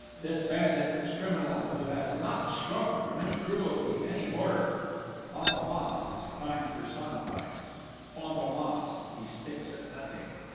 This bandit, this criminal who has not shrunk from any cruelty, any horror Fantômas is crime personified! Fantômas! He sticks at nothing!